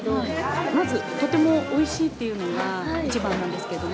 まずとてもおいしいっていうのが一番なんですけども。